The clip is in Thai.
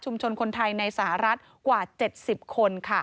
คนไทยในสหรัฐกว่า๗๐คน